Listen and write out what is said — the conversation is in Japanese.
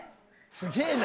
すげぇな。